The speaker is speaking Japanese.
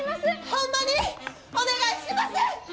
ホンマにお願いします！